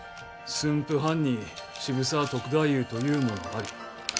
「駿府藩に渋沢篤太夫というものあり。